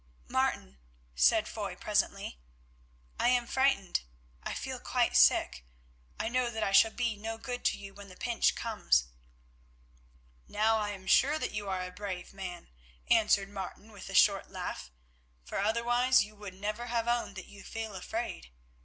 "Martin," said Foy presently, "I am frightened. I feel quite sick. I know that I shall be no good to you when the pinch comes." "Now I am sure that you are a brave man," answered Martin with a short laugh, "for otherwise you would never have owned that you feel afraid.